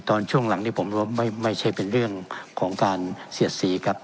ช่วงหลังนี้ผมรู้ว่าไม่ใช่เป็นเรื่องของการเสียดสีครับ